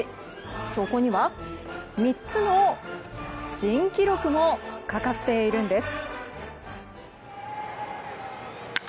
そこには３つの新記録もかかっているんです。